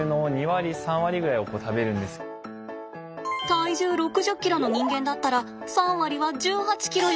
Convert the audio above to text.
体重６０ｋｇの人間だったら３割は１８ｋｇよ。